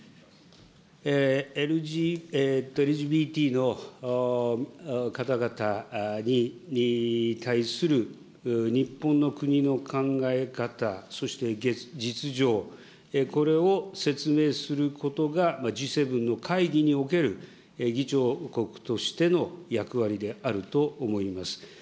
ＬＧＢＴの方々に対する日本の国の考え方、そして実情、これを説明することがＧ７の会議における議長国としての役割であると思います。